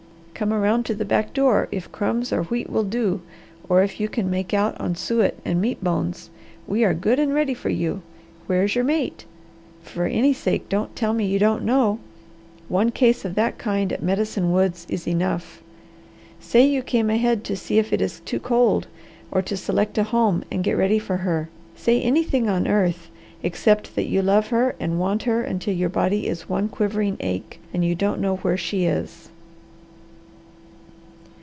Come around to the back door if crumbs or wheat will do or if you can make out on suet and meat bones! We are good and ready for you. Where is your mate? For any sake, don't tell me you don't know. One case of that kind at Medicine Woods is enough. Say you came ahead to see if it is too cold or to select a home and get ready for her. Say anything on earth except that you love her, and want her until your body is one quivering ache, and you don't know where she is."